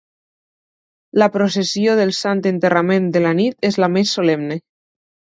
La processó del Sant Enterrament de la nit és la més solemne.